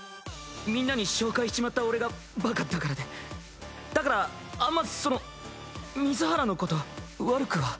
みんなに紹介しちまった俺がバカだからでだからあんまその水原のこと悪くは。